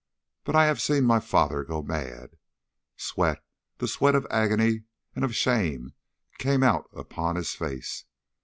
But I have seen my father go mad." Sweat, the sweat of agony and of shame, came out upon his face.